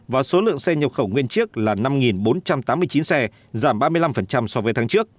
và số lượng xe nhập khẩu nguyên chiếc là năm bốn trăm tám mươi chín xe giảm ba mươi năm so với tháng trước